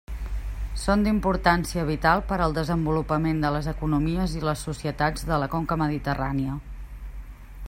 Són d'importància vital per al desenvolupament de les economies i les societats de la conca mediterrània.